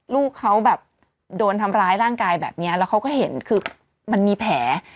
ลูกเขาแบบโดนทำร้ายร่างกายแบบนี้แล้วเขาก็เห็นคือมันมีแผล